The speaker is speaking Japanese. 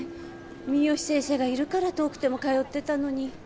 三好先生がいるから遠くても通ってたのに。